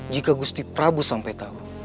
jika gusti prabu sampai tahu